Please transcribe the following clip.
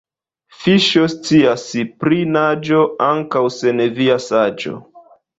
Fiŝo scias pri naĝo ankaŭ sen via saĝo.